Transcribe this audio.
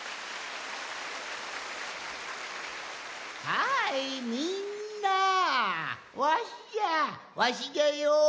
はいみんなわしじゃわしじゃよ。